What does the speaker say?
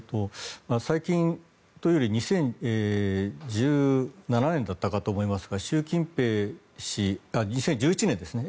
最近というより２０１７年だったかと思いますが失礼、２０１１年ですね。